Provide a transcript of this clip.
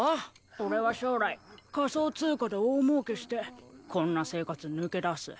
俺は将来仮想通貨で大もうけしてこんな生活抜け出す。